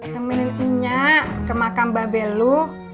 kemilinnya ke makam babel lo